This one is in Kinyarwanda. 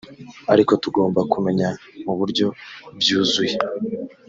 ariko tugomba kumenya mu buryo byuzuye